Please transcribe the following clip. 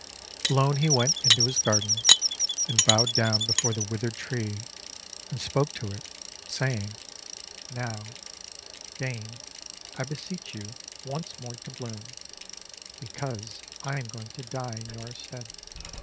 Alone he went into his garden, and bowed down before the withered tree, and spoke to it, saying: "Now, deign, I beseech you, once more to bloom, — because I am going to die in your stead."